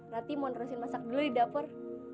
rati mau terusin masak dulu di dapur